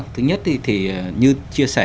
thứ nhất thì như chia sẻ